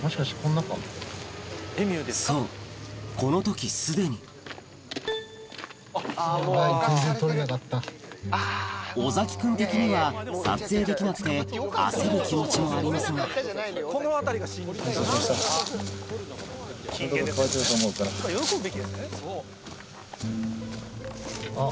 そうこの時すでに小君的には撮影できなくて焦る気持ちもありますがあっ。